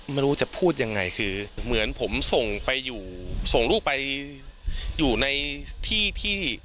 ไม่รู้จะพูดยังไงคือเหมือนผมส่งไปอยู่ส่งลูกไปอยู่ในที่ที่